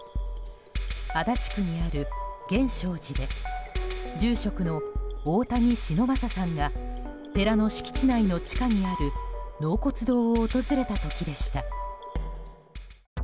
足立区にある源証寺で住職の大谷忍昌さんが寺の敷地内の地下にある納骨堂を訪れた時でした。